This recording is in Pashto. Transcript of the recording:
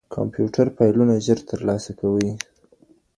کمپيوټر فايلونه ژر ترلاسه کوي.